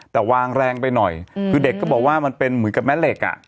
แต่วางแรงไปหน่อยคือเด็กก็บอกว่ามันเป็นเหมือนกับแม่เหล็กอ่ะ